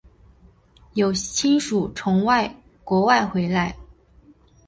有亲属从国外回来